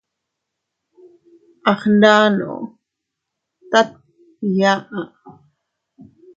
A gndano tat iyaʼa.